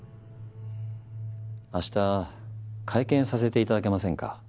明日会見させていただけませんか？